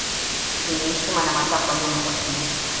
zenye heshima na matakwa mema kwa kila